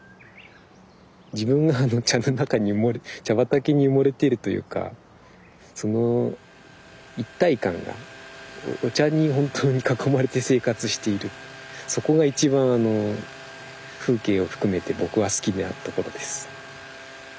自分が茶の中に茶畑に埋もれているというかその一体感がお茶に本当に囲まれて生活しているそこが一番あの風景を含めて僕は好きなところです。